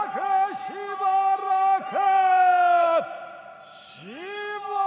しばらく。